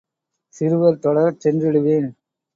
சிறுவர் தொடரச் சென்றிடுவேன்.